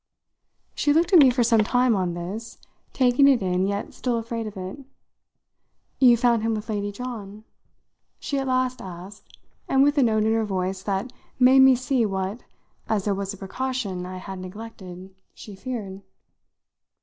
She looked at me for some time on this, taking it in, yet still afraid of it. "You found him with Lady John?" she at last asked, and with a note in her voice that made me see what as there was a precaution I had neglected she feared.